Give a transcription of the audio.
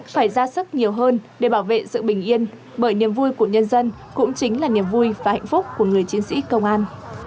phải ra sức nhiều hơn để bảo vệ sự bình yên bởi niềm vui của nhân dân cũng chính là niềm vui và hạnh phúc của người chiến sĩ công an